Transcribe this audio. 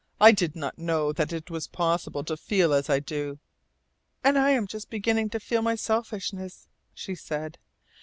I did not know that it was possible to feel as I do." "And I am just beginning to feel my selfishness," she said.